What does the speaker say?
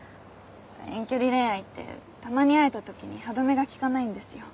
遠距離恋愛ってたまに会えたときに歯止めが利かないんですよ。